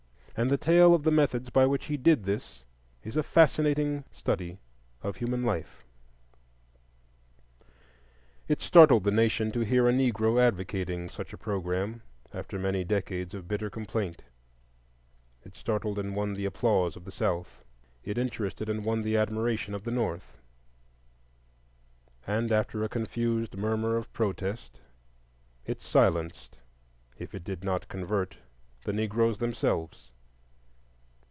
And the tale of the methods by which he did this is a fascinating study of human life. It startled the nation to hear a Negro advocating such a programme after many decades of bitter complaint; it startled and won the applause of the South, it interested and won the admiration of the North; and after a confused murmur of protest, it silenced if it did not convert the Negroes themselves.